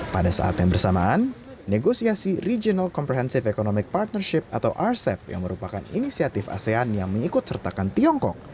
pada saat yang bersamaan negosiasi regional comprehensive economic partnership atau rcep yang merupakan inisiatif asean yang mengikut sertakan tiongkok